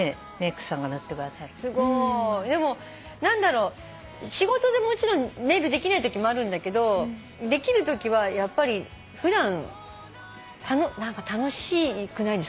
でも何だろう仕事でもちろんネイルできないときもあるんだけどできるときはやっぱり普段何か楽しくないですか？